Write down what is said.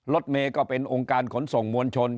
รถเมย์ก็เป็นองค์การขนส่งมวลชน